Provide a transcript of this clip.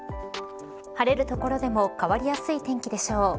晴れる所でも変わりやすい天気でしょう。